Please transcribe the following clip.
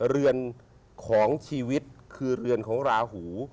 เรือนของชีวิตคือเรือนของราหู